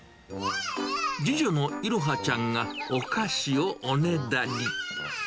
次女の彩華ちゃんがお菓子をおねだり。